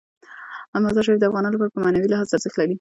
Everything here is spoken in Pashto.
مزارشریف د افغانانو لپاره په معنوي لحاظ ارزښت لري.